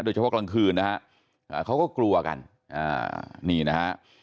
โดยเฉพาะกลางคืนนะฮะเขาก็กลัวกันนี่นะฮะ